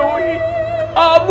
kamu bukanlah anakku